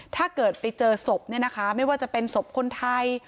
ถ้าเกิดไปเจอศพไม่ว่าจะเป็นศพคนไทย